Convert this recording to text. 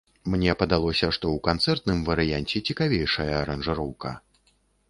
Мне падалося, што ў канцэртным варыянце цікавейшая аранжыроўка.